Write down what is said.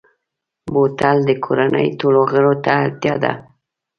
بوتل د کورنۍ ټولو غړو ته اړتیا ده.